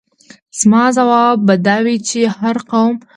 زما ځواب به دا وي چې هر قوم.